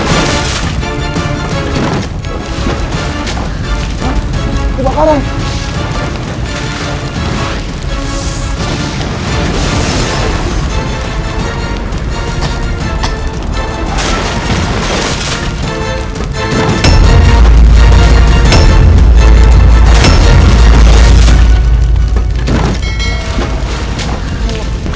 paman kebakaran paman